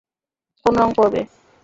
কোন রং পরবে!